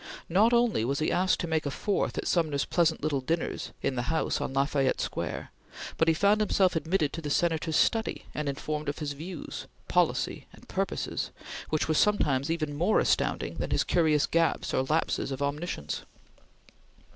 Not only was he asked to make a fourth at Sumner's pleasant little dinners in the house on La Fayette Square, but he found himself admitted to the Senator's study and informed of his views, policy and purposes, which were sometimes even more astounding than his curious gaps or lapses of omniscience.